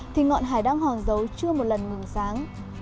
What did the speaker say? thì ngọn hải đang hòn dấu chưa một lần ngừng sáng